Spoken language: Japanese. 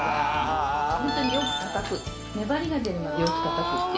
ホントによくたたく粘りが出るまでよくたたくっていう。